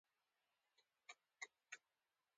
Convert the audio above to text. مچان د چاپېریال د ناپاکۍ نښه ده